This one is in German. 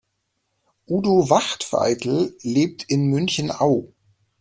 Udo Wachtveitl lebt in München-Au.